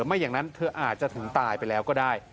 ไม่อย่างนั้นเธออาจจะถึงตายไปแล้วก็ได้